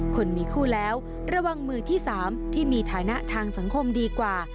คนมีคู่แล้วระวังมือที่๓ที่มีฐานะทางสังคมดีกว่า